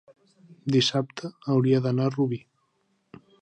dissabte hauria d'anar a Rubí.